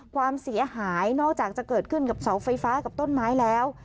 ความเสียหายนอกจากจะเกิดขึ้นกับเสาไฟฟ้ากับต้นไม้แล้ว